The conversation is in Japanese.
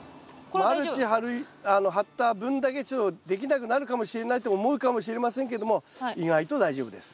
マルチ張った分だけちょっとできなくなるかもしれないと思うかもしれませんけども意外と大丈夫です。